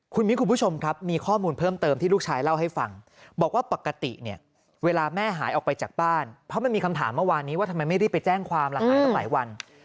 คุณมิ้นคุณผู้ชมครับมีข้อมูลเพิ่มเติมที่ลูกชายเล่าให้ฟังบอกว่าปกติเนี่ยเวลาแม่หายออกไปจากบ้านเพราะมันมีคำถามเมื่อวานนี้ว่าทำไมไม่รีบไปแจ้งความล่ะหายตั้งหลายวัน